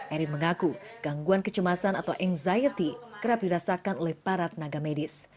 erin mengaku gangguan kecemasan atau anxiety kerap dirasakan oleh para tenaga medis